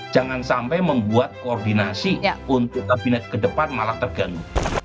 jangan sampai membuat koordinasi untuk kabinet ke depan malah terganggu